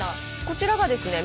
こちらがですね